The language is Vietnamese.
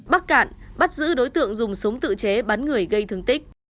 bắc cạn bắt giữ đối tượng dùng súng tự chế bắn người gây thương tích